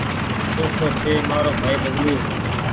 چوکو ڇي مآرو ڀآئي ببلو